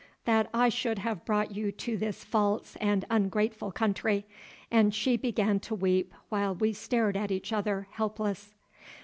that I should have brought you to this false and ungrateful country," and she began to weep, while we stared at each other, helpless.